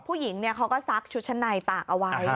ผู้หญิงเขาก็ซักชุดชั้นในตากเอาไว้